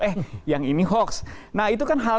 eh yang ini hoax nah itu kan hal